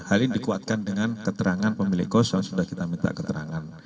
hari ini dikuatkan dengan keterangan pemilik kos yang sudah kita minta keterangan